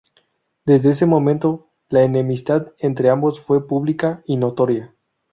Desde ese momento, la enemistad entre ambos fue pública y notoria.